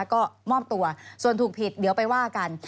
ก็มอบตัวส่วนถูกผิดเดี๋ยวไปว่ากัน